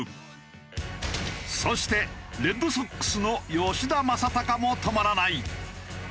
そしてレッドソックスの吉田正尚も止まらない。